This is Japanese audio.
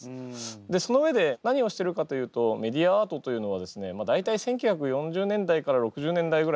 でその上で何をしてるかというとメディアアートというのはですね大体１９４０年代から６０年代ぐらい。